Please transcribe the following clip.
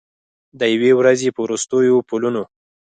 د یوې ورځې په وروستیو پلونو